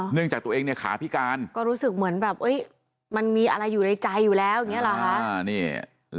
จากตัวเองเนี่ยขาพิการก็รู้สึกเหมือนแบบมันมีอะไรอยู่ในใจอยู่แล้วอย่างนี้หรอคะ